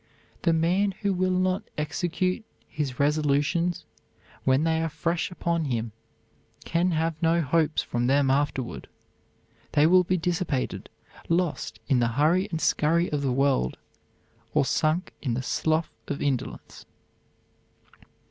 The man who will not execute his resolutions when they are fresh upon him can have no hopes from them afterward. They will be dissipated, lost in the hurry and scurry of the world, or sunk in the slough of indolence."